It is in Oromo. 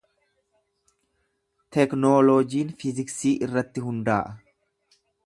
Teknooloojiin fiiziksii irratti hundaa’a.